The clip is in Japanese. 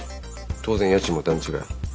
当然家賃も段違い。